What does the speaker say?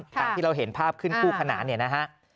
ตามที่เราเห็นภาพขึ้นกู้ขนาดนี้นะฮะ